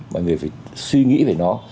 mọi người phải suy nghĩ về nó